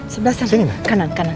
sebelah sana kanan kanan